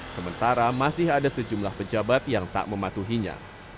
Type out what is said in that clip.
sementara masih ada sejumlah pejabat yang tak mematuhinya